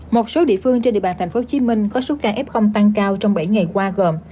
một số địa phương trên địa bàn tp hcm có số ca f tăng cao trong bảy ngày qua gồm